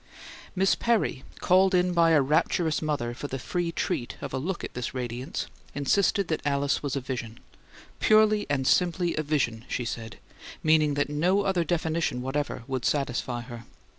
Miss Perry, called in by a rapturous mother for the free treat of a look at this radiance, insisted that Alice was a vision. "Purely and simply a vision!" she said, meaning that no other definition whatever would satisfy her.